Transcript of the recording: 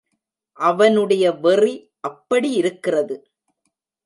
அவனுடைய வெறி அப்படி இருக்கிறது!